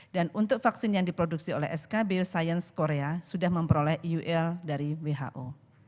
dan untuk vaksin yang diproduksi oleh skbu science korea sudah memperoleh iul dari who